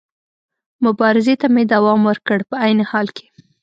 مبارزې ته مې دوام ورکړ، په عین حال کې.